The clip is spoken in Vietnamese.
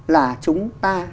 là chúng ta